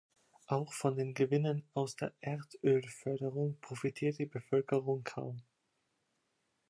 Auch von den Gewinnen aus der Erdölförderung profitiert die Bevölkerung kaum.